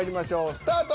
スタート。